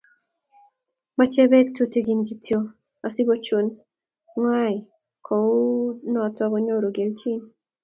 Mochei Bek tutugin kityo asikochun ngoyai kounoto konyoru kelchin